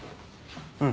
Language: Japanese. うん。